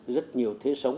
rất nhiều thế sống